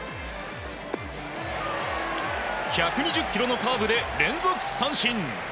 １２０キロのカーブで連続三振。